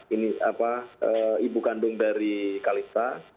ini apa ibu kandung dari kalista